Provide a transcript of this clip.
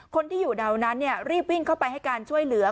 คนที่อยู่แถวนั้นรีบวิ่งเข้าไปให้การช่วยเหลือ